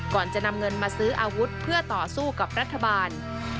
ก่อนจะนำเงินมาซื้ออาวุธเพื่อต่อสู้กับรัฐบาล